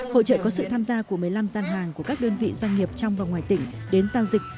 hội trợ có sự tham gia của một mươi năm gian hàng của các đơn vị doanh nghiệp trong và ngoài tỉnh đến giao dịch